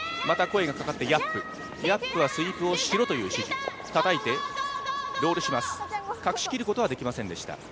また声がかかって、ヤップ、ヤップはスイ−プをしろという合図、隠しきることはできませんでした。